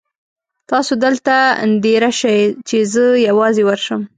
تاسو دلته دېره شئ چې زه یوازې ورشم.